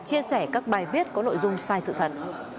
chia sẻ các bài viết có nội dung sai sự thật